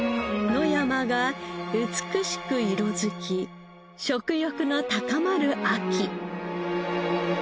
野山が美しく色づき食欲の高まる秋。